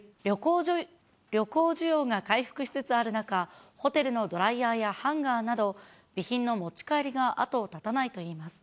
旅行需要が回復しつつある中、ホテルのドライヤーやハンガーなど、備品の持ち帰りが後を絶たないといいます。